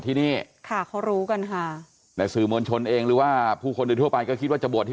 แต่ว่าวัดที่